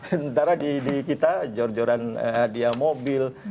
sementara di kita jor joran dia mobil